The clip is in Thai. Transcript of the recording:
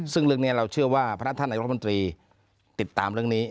ซึ่งเรื่องนี้เราเชื่อว่าพนักท่านนายกรมนตรีติดตามเรื่องนี้